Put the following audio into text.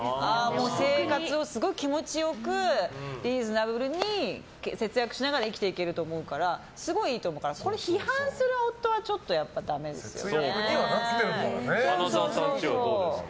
生活をすごく気持ちよくリーズナブルに節約しながら生きていけると思うからすごいいいと思うから批判する夫は花澤さんちはどうですか？